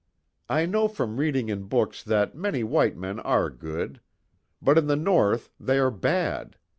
I know from reading in books that many white men are good. But in the North they are bad.